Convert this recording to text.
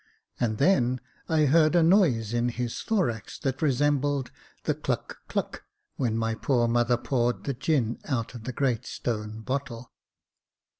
And then I heard a noise in his thorax that resembled the "cluck cluck" when my poor mother poured the gin out of the great stone bottle.